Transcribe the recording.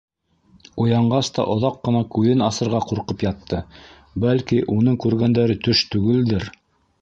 Уянғас та оҙаҡ ҡына күҙен асырға ҡурҡып ятты: бәлки, уның күргәндәре... төш түгелдер...